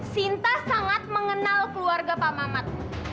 sinta sangat mengenal keluarga pak mamat